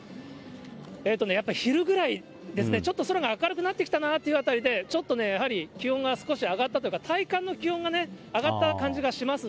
やっぱり昼ぐらいですね、ちょっと空が明るくなってきたなというあたりで、ちょっとね、やはり気温が少し上がったというか、体感の気温がね、上がった感じがします。